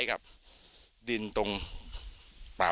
แม่น้องชมพู่